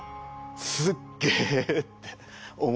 「すっげえ」って思いました。